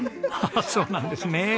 ああそうなんですねえ。